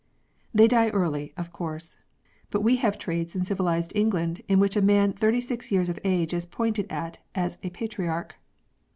They die early, of course ; but we have trades in civilised England in which a man thirty six years of age is pointed at as a patriarch.